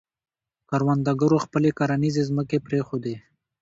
کروندګرو خپلې کرنیزې ځمکې پرېښودې.